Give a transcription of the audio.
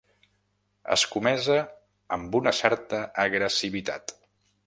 Escomesa amb una certa agressivitat.